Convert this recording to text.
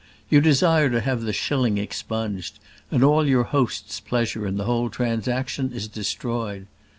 You desire to have the shilling expunged, and all your host's pleasure in the whole transaction is destroyed.